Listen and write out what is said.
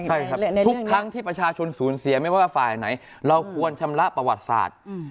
ใช่ครับทุกครั้งที่ประชาชนสูญเสียไม่ว่าฝ่ายไหนเราควรชำระประวัติศาสตร์